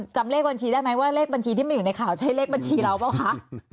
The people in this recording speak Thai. จำเลขบัญชีได้ไหมว่าเลขบัญชีที่มันอยู่ในข่าวใช้เลขบัญชีเราเปล่าคะ